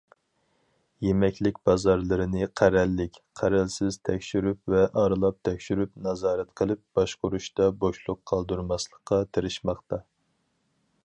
يېمەكلىك بازارلىرىنى قەرەللىك- قەرەلسىز تەكشۈرۈپ ۋە ئارىلاپ تەكشۈرۈپ، نازارەت قىلىپ باشقۇرۇشتا بوشلۇق قالدۇرماسلىققا تىرىشماقتا.